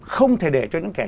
không thể để cho những kẻ